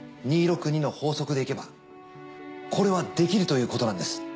２・６・２の法則でいけばこれはできるということなんです。